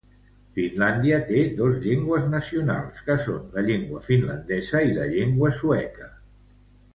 Finlàndia té dos llengües nacionals: que són la llengua finlandesa i la llengua sueca.